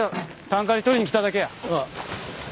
炭カリ取りに来ただけや。